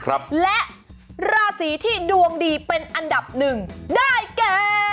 ครับและราศีที่ดวงดีเป็นอันดับหนึ่งได้แก่